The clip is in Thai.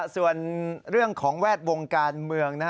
ส่วนเรื่องของแวดวงการเมือง